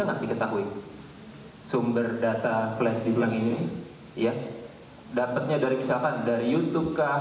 enggak diketahui sumber data flash di sini ya dapatnya dari misalkan dari youtube kah